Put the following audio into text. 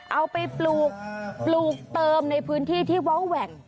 เอาไปปลูกปลูกเติมในพื้นที่ที่เว้าแหวก